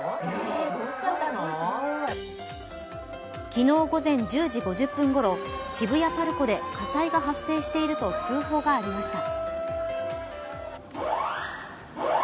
昨日午前１０時５０分ごろ、渋谷ＰＡＲＣＯで火災が発生していると通報がありました。